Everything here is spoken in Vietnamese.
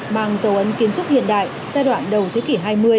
mang dấu ấn kiến trúc hiện đại giai đoạn đầu thế kỷ hai mươi